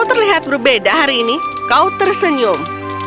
kau terlihat berbeda hari ini kau tersenyum